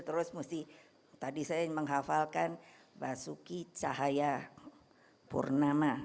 terus mesti tadi saya menghafalkan basuki cahayapurnama